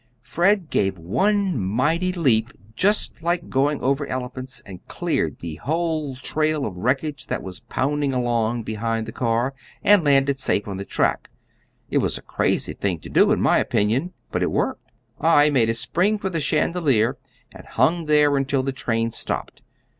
Fred gave one mighty leap, just like going over elephants, and cleared the whole trail of wreckage that was pounding along behind the car and landed safe on the track. It was a crazy thing to do, in my opinion, but it worked. I made a spring for the chandelier, and hung there until the train stopped.